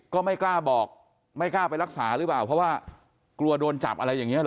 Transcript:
ก็ไม่กล้าบอกไม่กล้าไปรักษาหรือเปล่าเพราะว่ากลัวโดนจับอะไรอย่างนี้หรอ